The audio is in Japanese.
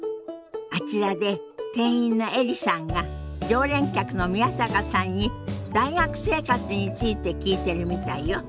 あちらで店員のエリさんが常連客の宮坂さんに大学生活について聞いてるみたいよ。